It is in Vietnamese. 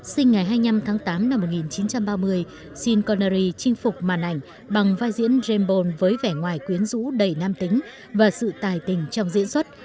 sinh ngày hai mươi năm tháng tám năm một nghìn chín trăm ba mươi shin connery chinh phục màn ảnh bằng vai diễn rambon với vẻ ngoài quyến rũ đầy nam tính và sự tài tình trong diễn xuất